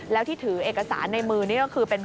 แล้วที่ถือเอกสารในมือนี่ก็คือเป็น